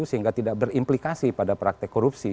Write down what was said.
sehingga tidak berimplikasi pada praktek korupsi